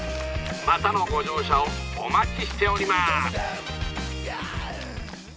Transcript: またのご乗車をお待ちしております」。